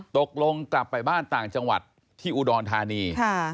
ตกลงกลับไปบ้านต่างจังหวัดที่อุดรธานี